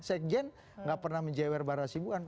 sekjen nggak pernah menjewer bara sibuan